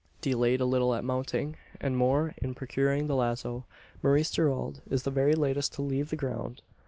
Delayed a little at mounting and more in procuring the lazo Maurice Gerald is the very latest to leave the ground.